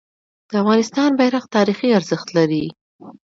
د افغانستان بیرغ تاریخي ارزښت لري.